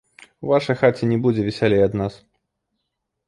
У вашай хаце не будзе весялей ад нас!